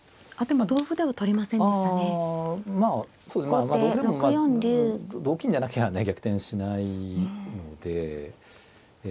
あ同歩でも同金じゃなきゃ逆転しないので。